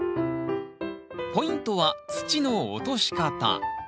ポイントは土の落とし方。